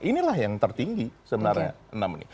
inilah yang tertinggi sebenarnya enam ini